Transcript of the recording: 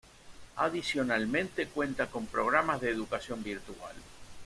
Adicionalmente, cuenta con programas de educación virtual.